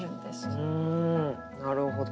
なるほど。